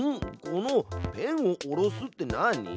この「ペンを下ろす」って何？